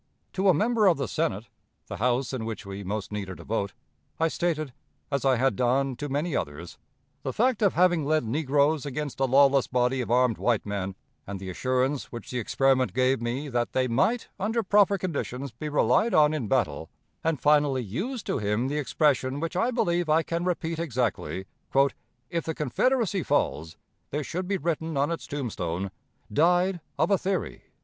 To a member of the Senate (the House in which we most needed a vote) I stated, as I had done to many others, the fact of having led negroes against a lawless body of armed white men, and the assurance which the experiment gave me that they might, under proper conditions, be relied on in battle, and finally used to him the expression which I believe I can repeat exactly: "If the Confederacy falls, there should be written on its tombstone, 'Died of a theory.'"